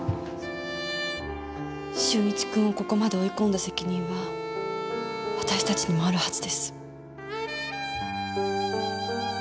俊一君をここまで追い込んだ責任は私たちにもあるはずです。